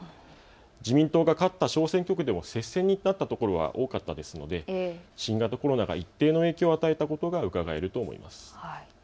自民党が勝った小選挙区でも接戦になったところは多かったですので新型コロナが一定の影響を与えたことがうかがえると思います。